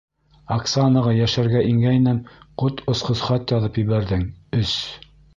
Оксанаға йәшәргә ингәйнем, ҡот осҡос хат яҙып ебәрҙең -өс.